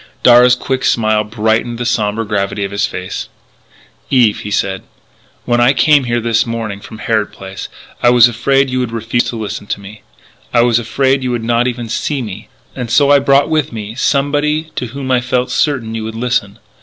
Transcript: Darragh's quick smile brightened the sombre gravity of his face. "Eve," he said, "when I came over here this morning from Harrod Place I was afraid you would refuse to listen to me; I was afraid you would not even see me. And so I brought with me somebody to whom I felt certain you would listen....